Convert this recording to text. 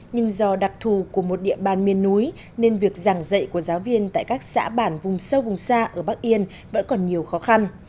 nhưng do đặc thù của một địa bàn miền núi nên việc giảng dạy của giáo viên tại các xã bản vùng sâu vùng xa ở bắc yên vẫn còn nhiều khó khăn